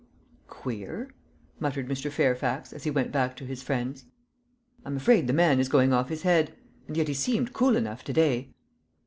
"Queer!" muttered Mr. Fairfax as he went back to his friends. "I'm afraid the man is going off his head; and yet he seemed cool enough to day."